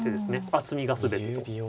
厚みが全てと。